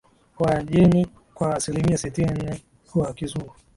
wa jeni kwa asilimia sitini ni wa Kizungu